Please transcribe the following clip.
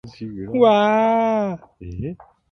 わあああああああ